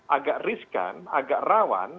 agak riskan agak rawan